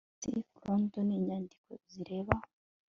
Cif London inyandiko zireba